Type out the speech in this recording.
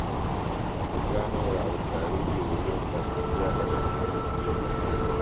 mkutano wa utalii uliyofanyikia bagamoyo mjini